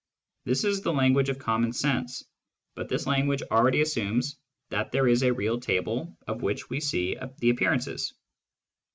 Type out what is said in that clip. This is the language of common sense, but this language already assumes that there is a real table of which we see the appearances.